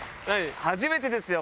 初めてですよ。